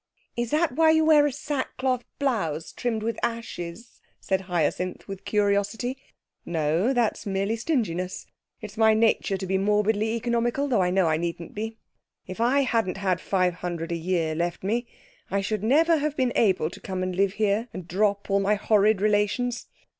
'Is that why you wear a sackcloth blouse trimmed with ashes?' said Hyacinth, with curiosity. 'No, that's merely stinginess. It's my nature to be morbidly economical, though I know I needn't be. If I hadn't had £500 a year left me, I should never have been able to come and live here, and drop all my horrid relations.